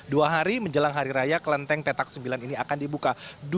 dua hari menjelang hari raya kelenteng petak sembilan ini akan dibuka